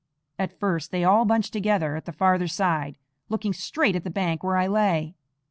At first they all bunched together at the farther side, looking straight at the bank where I lay.